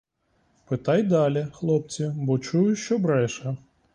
Питай далі, хлопці, бо чую, що бреше.